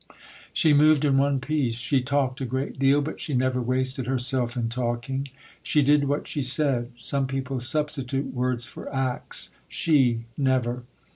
She moved in one piece. She talked a great deal, but she never wasted herself in talking; she did what she said. Some people substitute words for acts: she never.